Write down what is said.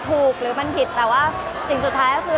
มันเป็นเรื่องน่ารักที่เวลาเจอกันเราต้องแซวอะไรอย่างเงี้ย